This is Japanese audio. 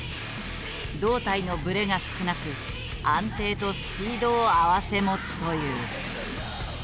胴体のブレが少なく安定とスピードを併せ持つという。